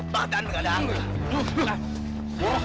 badan gak ada anggur